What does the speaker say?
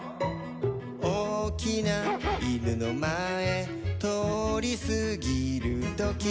「おおきないぬのまえとおりすぎるとき」